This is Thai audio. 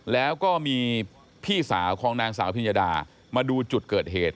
แล้วก็มีพี่สาวของนางสาวพิญญาดามาดูจุดเกิดเหตุ